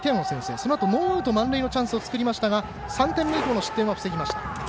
そのあとノーアウト満塁のチャンスを作りましたが３点目以降の失点を防ぎました。